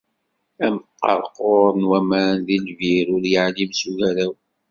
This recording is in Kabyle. Amqerqur n waman deg lbir ur yeεlim s ugaraw.